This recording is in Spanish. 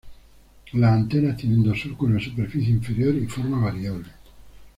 Las antenas tienen dos surcos en la superficie inferior y forma variable.